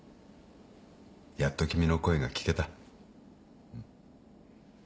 やっと君の声が聞けた。